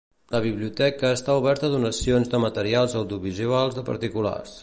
La Biblioteca està oberta a donacions de materials audiovisuals de particulars.